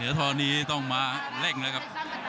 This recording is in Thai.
เนื้อทรนี้ต้องมาเร็กนะครับ